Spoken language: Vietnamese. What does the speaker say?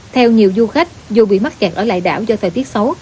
theo nhiều du khách dù bị mắc kẹt ở lại đảo do thời tiết xấu